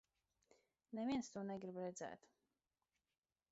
Neviens to negrib redzēt.